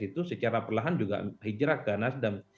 itu secara perlahan juga hijrah ke nasdem